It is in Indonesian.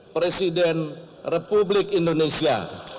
presiden republik indonesia